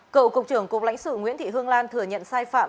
cựu cục trưởng cục lãnh sự nguyễn thị hương lan thừa nhận sai phạm